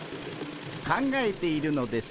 考えているのです。